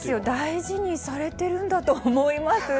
大事にされてるんだと思います。